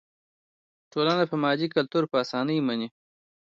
ټولنه مادي کلتور په اسانۍ مني.